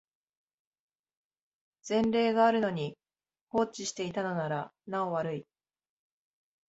前例があるのに放置していたのならなお悪い